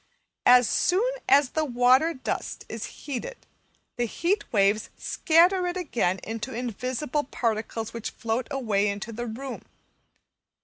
As soon as the water dust is heated the heat waves scatter it again into invisible particles, which float away into the room.